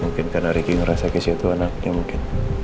mungkin karena ricky ngerasa keisha itu anaknya mungkin